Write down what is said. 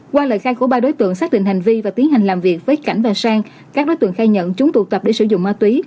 qua lời khai của ba đối tượng xác định hành vi và tiến hành làm việc với cảnh và sang các đối tượng khai nhận chúng tụ tập để sử dụng ma túy